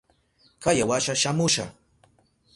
Kaya washa shamusha.